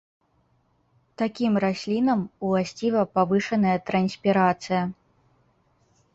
Такім раслінам уласціва павышаная транспірацыя.